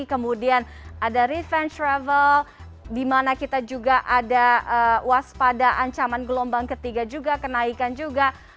kemudian ada revenge travel di mana kita juga ada waspada ancaman gelombang ketiga juga kenaikan juga